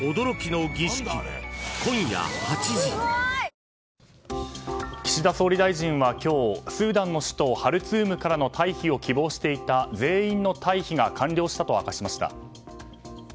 「はだおもいオーガニック」岸田総理大臣は今日スーダンの首都ハルツームからの退避を希望していた全員の退避が完了したと明かしました。